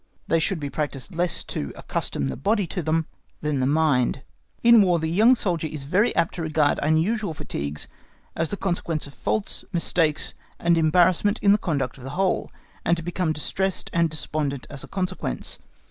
They should be practised less to accustom the body to them than the mind. In War the young soldier is very apt to regard unusual fatigues as the consequence of faults, mistakes, and embarrassment in the conduct of the whole, and to become distressed and despondent as a consequence.